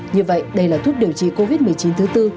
như vậy đây là thuốc điều trị covid một mươi chín thứ tư